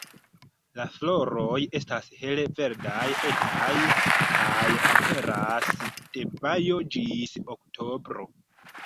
La floroj estas hele verdaj, etaj, kaj aperas de majo ĝis oktobro.